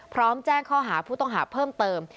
แจ้งข้อหาผู้ต้องหาเพิ่มเติม